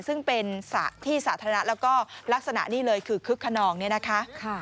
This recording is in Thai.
ซึ่งเป็นที่สาธารณะแล้วก็ลักษณะนี่เลยคือคึกขนองเนี่ยนะคะ